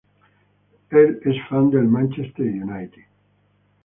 Él es fan del Manchester United.